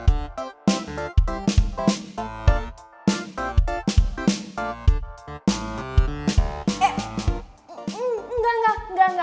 ida bap tes